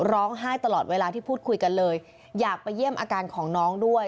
ร้องไห้ตลอดเวลาที่พูดคุยกันเลยอยากไปเยี่ยมอาการของน้องด้วย